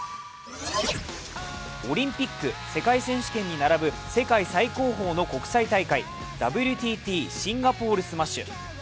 オリンピック、世界選手権に並ぶ世界最高峰の国際大会、ＷＴＴシンガポールスマッシュ。